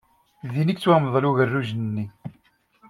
Din i yettwamḍel ugerruj-nni.